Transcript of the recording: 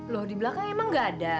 loh di belakang emang gak ada